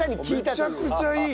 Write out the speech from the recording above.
めちゃくちゃいい。